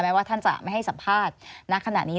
ว่าท่านจะไม่ให้สัมภาษณ์ณขณะนี้